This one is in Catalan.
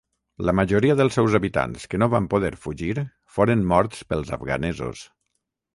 La majoria dels seus habitants que no van poder fugir foren morts pels afganesos.